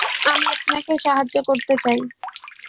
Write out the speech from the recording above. আমি আপনাকে সাহায্য করতে চাই।